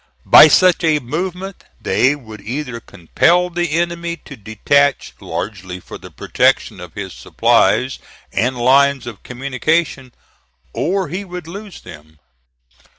By such a movement they would either compel the enemy to detach largely for the protection of his supplies and lines of communication, or he would lose them.